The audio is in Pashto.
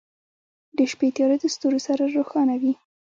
• د شپې تیاره د ستورو سره روښانه وي.